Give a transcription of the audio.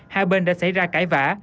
hai bên đã xảy ra cãi vã